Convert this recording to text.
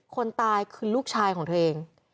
คนตายคือลูกชายของเธอเอง